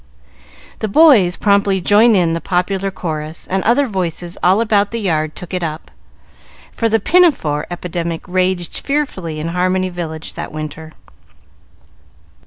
The boys promptly joined in the popular chorus, and other voices all about the yard took it up, for the "Pinafore" epidemic raged fearfully in Harmony Village that winter.